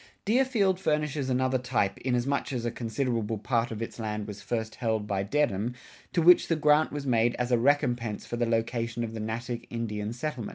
Deerfield furnishes another type, inasmuch as a considerable part of its land was first held by Dedham, to which the grant was made as a recompense for the location of the Natick Indian reservation.